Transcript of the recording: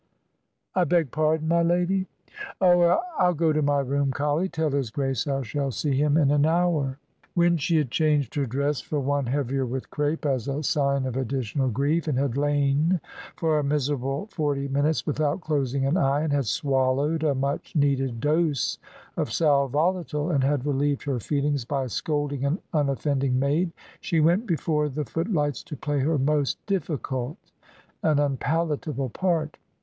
"I beg pardon, my lady!" "Oh er I'll go to my room, Colley. Tell his Grace I shall see him in an hour." When she had changed her dress for one heavier with crape, as a sign of additional grief, and had lain for a miserable forty minutes without closing an eye, and had swallowed a much needed dose of sal volatile, and had relieved her feelings by scolding an unoffending maid, she went before the footlights to play her most difficult and unpalatable part.